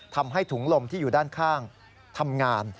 ทำให้ถุงลมที่อยู่ด้านข้างทำงาน